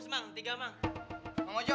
sabar ya bang ojo